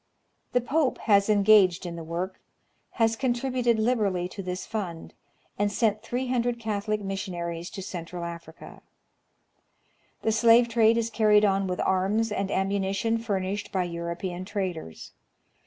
The Pope has engaged in the work, has con tributed liberally to this fund, and sent three hundred Catholic missionaries to Central Africa. The slave trade is carried on with arms and ammunition furnished by European traders.